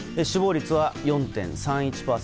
死亡率は４．３１％。